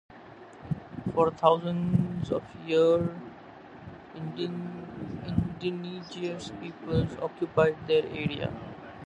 For thousands of year, indigenous peoples occupied this area.